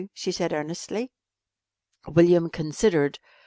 she said earnestly. William considered.